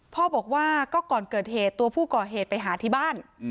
พ่อบอกว่าก็ก่อนเกิดเหตุตัวผู้ก่อเหตุไปหาที่บ้าน